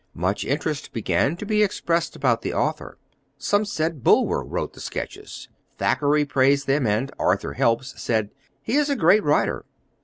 Much interest began to be expressed about the author. Some said Bulwer wrote the sketches. Thackeray praised them, and Arthur Helps said, "He is a great writer."